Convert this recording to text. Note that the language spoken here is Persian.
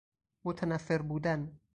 متنفر بودن